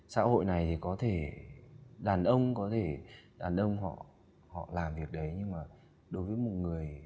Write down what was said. xã hội này thì có thể đàn ông có thể đàn ông họ làm việc đấy nhưng mà đối với một người